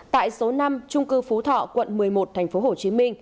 tại số năm trung cư phú thọ quận một mươi một tp hcm